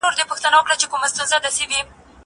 زه بايد پوښتنه وکړم.